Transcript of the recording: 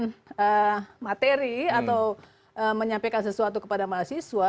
dengan materi atau menyampaikan sesuatu kepada mahasiswa